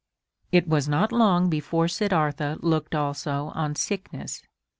It was not long before Siddartha looked also on Sickness.